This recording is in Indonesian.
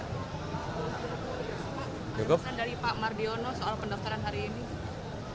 pak ada pesan dari pak mardiono soal pendaftaran hari ini